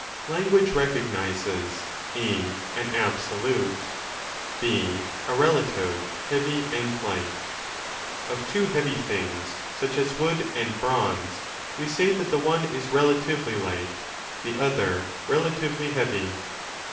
Language recognizes (4) an absolute, (4) a relative heavy ~ and light. Of two heavy things, such as wood and bronze, we say that the one is relatively light, the other relatively 1oheavy.